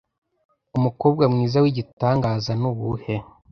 umukobwa mwiza w’igitangaza nuwuhe